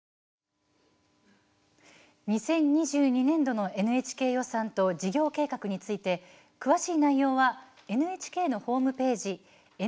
２０２２年度のＮＨＫ予算と事業計画について詳しい内容はＮＨＫのホームページ